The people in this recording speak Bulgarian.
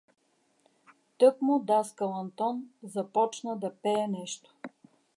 Тъкмо даскал Антон започна да пее нещо.